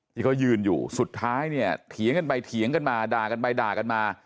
ที่เขายืนอยู่สุดท้ายเนี่ยเถียงกันไปเถียงกันมาด่ากันไปด่ากันมา